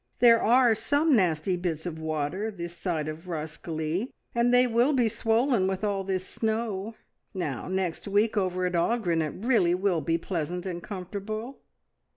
There are some nasty bits of water this side of Roskillie, and they will be swollen with all this snow. Now next week over at Aughrin it really will be pleasant and comfortable."